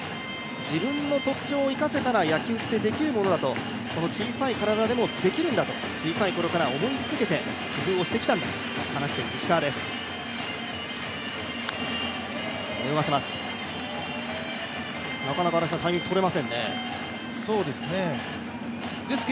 自分の特徴を生かせたら野球ってできるものだとこの小さい体でもできるんだと小さい頃から思い続けて工夫をしてきたんだと話している石川です。